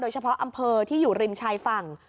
เฉพาะอำเภอที่อยู่ริมชายฝั่ง